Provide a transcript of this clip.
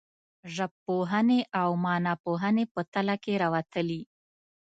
ژبپوهنې او معناپوهنې په تله کې راوتلي.